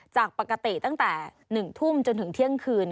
จากปกติตั้งแต่๑ทุ่มจนถึงเที่ยงคืน